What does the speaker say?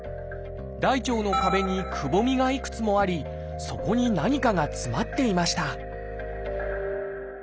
大腸の壁にくぼみがいくつもありそこに何かが詰まっていました